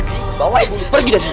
kayaknya ini udah berakhir